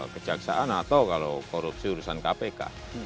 kejaksaan atau kalau korupsi urusan kpk